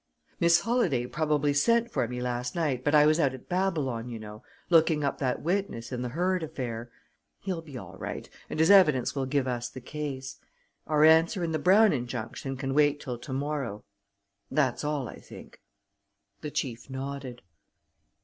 "Miss Holladay probably sent for me last night, but I was out at Babylon, you know, looking up that witness in the Hurd affair. He'll be all right, and his evidence will give us the case. Our answer in the Brown injunction can wait till to morrow. That's all, I think." The chief nodded.